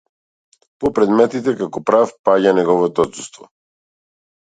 По предметите, како прав, паѓа неговото отсуство.